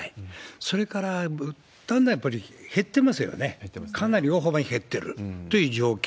それから、だんだんやっぱり減ってますよね、かなり大幅に減っているという状況。